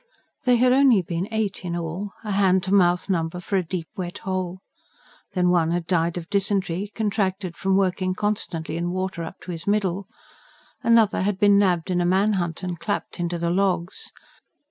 They had only been eight in all a hand to mouth number for a deep wet hole. Then, one had died of dysentery, contracted from working constantly in water up to his middle; another had been nabbed in a manhunt and clapped into the "logs."